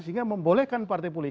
sehingga membolehkan partai politik